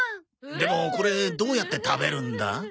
でもこれどうやって食べるんだ？